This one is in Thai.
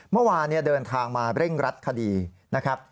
เมื่อวานเดินทางมาเร่งรัดคดีนะครับ